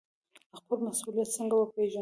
خپل مسوولیت څنګه وپیژنو؟